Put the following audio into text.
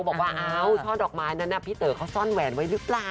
บอกว่าอ้าวช่อดอกไม้นั้นพี่เต๋อเขาซ่อนแหวนไว้หรือเปล่า